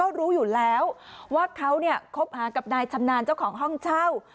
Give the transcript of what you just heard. รู้อยู่แล้วว่าเขาเนี่ยคบหากับนายชำนาญเจ้าของห้องเช่า